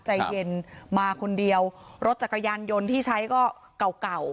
ใจเย็นมาคนเดียวรถจักรยานยนต์ที่ใช้ก็เก่าเก่า